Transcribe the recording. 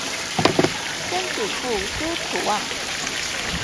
曾祖父朱楚望。